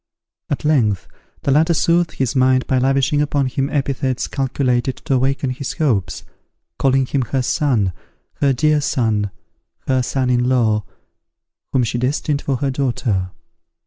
At length the latter soothed his mind by lavishing upon him epithets calculated to awaken his hopes, calling him her son, her dear son, her son in law, whom she destined for her daughter.